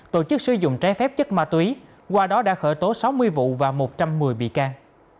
tổ chức sử dụng trái phép chất ma túy qua đó đã khởi tố sáu mươi vụ và một trăm một mươi bị can